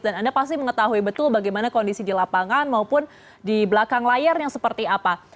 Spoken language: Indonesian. dan anda pasti mengetahui betul bagaimana kondisi di lapangan maupun di belakang layar yang seperti apa